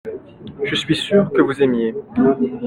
Je suis sûr que vous aimiez.